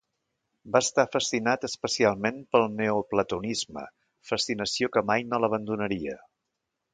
Va estar fascinat especialment pel neoplatonisme, fascinació que mai no l'abandonaria.